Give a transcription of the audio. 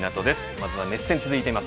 まずは熱戦続いています